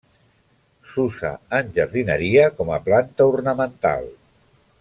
S'usa en jardineria com a planta ornamental.